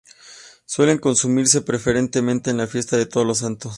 Suele consumirse preferentemente en la fiesta de Todos los Santos.